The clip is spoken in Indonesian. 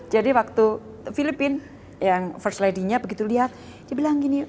jadi waktu filipina yang first lady nya begitu lihat dia bilang gini